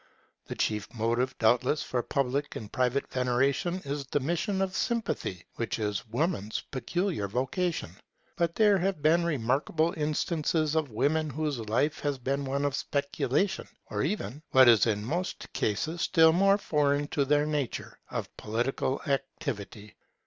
The chief motive, doubtless, for public and private veneration is the mission of sympathy, which is Woman's peculiar vocation. But there have been remarkable instances of women whose life has been one of speculation, or even, what is in most cases still more foreign to their nature, of political activity.